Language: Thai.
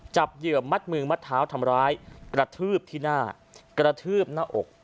เหยื่อมัดมือมัดเท้าทำร้ายกระทืบที่หน้ากระทืบหน้าอก